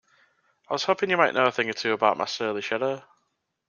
I was hoping you might know a thing or two about my surly shadow?